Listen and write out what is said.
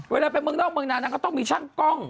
เวลาไปเมืองนอกเมืองนานางก็ต้องมีช่างกล้อง